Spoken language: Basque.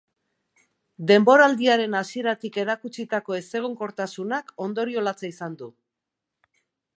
Denboraldiaren hasieratik erakutsitako ezegonkortasunak ondorio latza izan du.